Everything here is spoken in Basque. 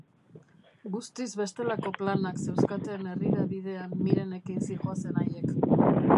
Guztiz bestelako planak zeuzkaten herrira bidean Mirenekin zihoazen haiek.